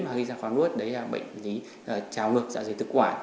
mà gây ra khó nuốt đấy là bệnh trào ngược dạ dày thực quả